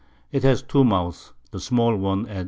It has two Mouths, the small one at N.